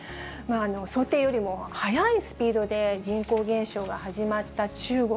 想定よりも速いスピードで人口減少が始まった中国。